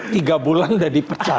tiga bulan sudah dipecat